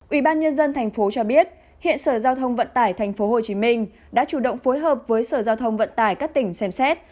ủy ban nhân dân thành phố cho biết hiện sở giao thông vận tải tp hcm đã chủ động phối hợp với sở giao thông vận tải các tỉnh xem xét